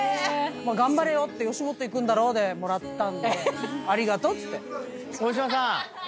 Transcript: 「頑張れよ。吉本行くんだろ」でもらったんでありがとうっつって。